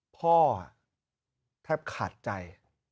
พ่อแทบขาดใจ